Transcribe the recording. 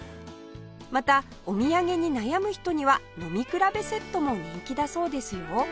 またお土産に悩む人には飲み比べセットも人気だそうですよ